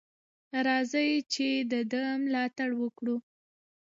راځئ چې د ده ملاتړ وکړو.